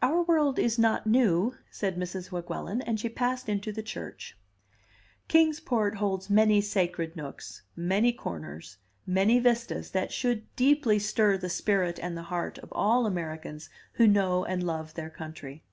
"Our world is not new," said Mrs. Weguelin; and she passed into the church. Kings Port holds many sacred nooks, many corners, many vistas, that should deeply stir the spirit and the heart of all Americans who know and love their country.